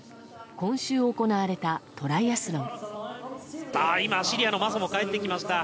今週、行われたトライアスロン。